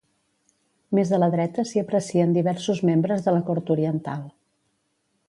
Més a la dreta s'hi aprecien diversos membres de la cort oriental.